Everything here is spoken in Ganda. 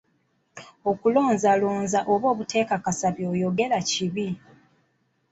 Okulonzalonza oba obuteekakasa by'oyogera kibi.